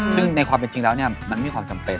ซึ่งในความเป็นจริงแล้วมันมีความจำเป็น